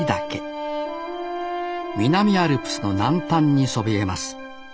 南アルプスの南端にそびえます。